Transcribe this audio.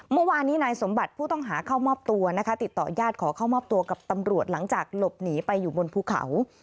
เมื่อวานนี้นายสมบัติผู้ต้องหาเข้ามอบตัวนะคะติดต่อญาติขอเข้ามอบตัวกับตำรวจหลังจากหลบหนีไปอยู่บนภูเขา